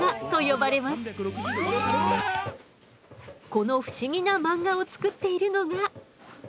この不思議な漫画を作っているのが。